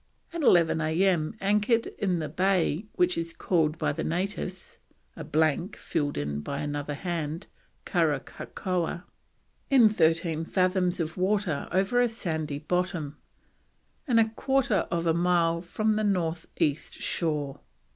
At 11 A.M. anchored in the bay which is called by the natives [a blank, filled in by another hand, Karakakoa] in 13 fathoms of water over a sandy bottom, and a quarter of a mile from the North East shore.